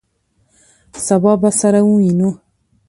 سبا به سره ووینو!